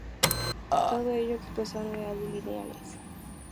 Todo ello expresado en unidades lineales.